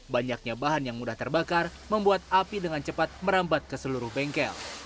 banyaknya bahan yang mudah terbakar membuat api dengan cepat merambat ke seluruh bengkel